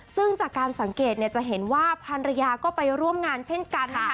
ซึ่งจากการสังเกตเนี่ยจะเห็นว่าพันรยาก็ไปร่วมงานเช่นกันนะคะ